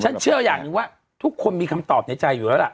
เชื่ออย่างหนึ่งว่าทุกคนมีคำตอบในใจอยู่แล้วล่ะ